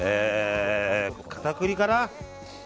片栗粉かな？